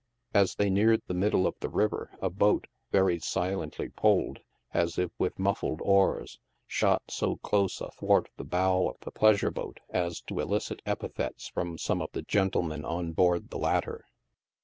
A3 they neared the middle of the river a boat, very silently pulled, as if with muffled oars, shot so close athwart the bow of' the pleasure boat as to elicit epithets from some of the gentlemen on board the latter.